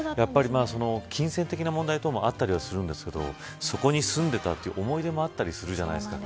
金銭的な問題などもあったりするんですが、そこに住んでいたという思い出もあったりするじゃないですか。